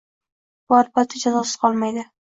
Bu albatta jazosiz qolmaydi.